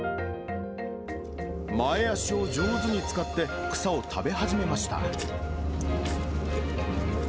前足を上手に使って、草を食べ始めました。